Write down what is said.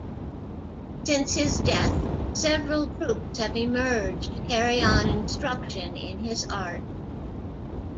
Since his death, several groups have emerged to carry on instruction in his art.